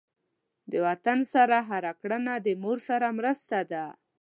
د وطن سره هر کړنه د مور سره مرسته ده.